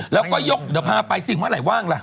แล้วก็ยกเดี๋ยวพาไปสิ่งเมื่อไหร่ว่างล่ะ